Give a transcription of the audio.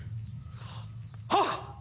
はっ！